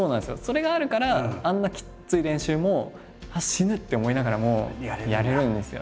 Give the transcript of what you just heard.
それがあるからあんなきつい練習も死ぬ！って思いながらもやれるんですよね。